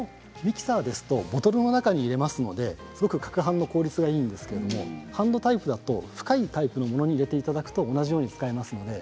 ミキサーですとボトルの中に入れますのですごくかくはんの効率がいいんですけどハンドタイプだと深いタイプのものに入れていただくと同じように使えます。